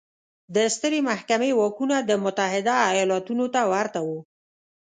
د سترې محکمې واکونه د متحده ایالتونو ته ورته وو.